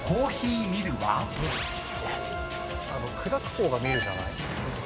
砕く方がミルじゃない？